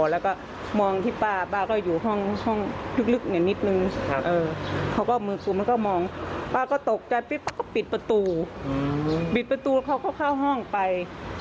เห็นจากข้างหลังตัวเขาไม่ได้สูงมากครับ